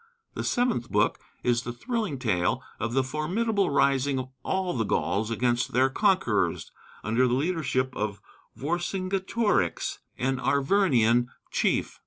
The seventh book is the thrilling tale of the formidable rising of all the Gauls against their conquerors, under the leadership of Vercingetorix, an Arvernian chief.